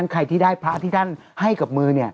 ใครที่ได้พระที่ท่านให้กับมือ